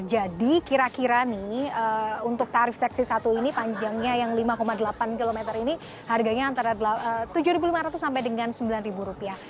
jadi kira kira untuk tarif seksi satu ini panjangnya yang lima delapan kilometer ini harganya antara tujuh ribu lima ratus sampai dengan sembilan ribu rupiah